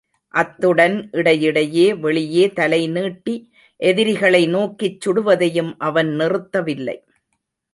அத்துடன் இடையிடையே வெளியே தலைநீட்டி எதிரிகளை நோக்கிச் சுடுவதையும் அவன் நிறுத்தவில்லை.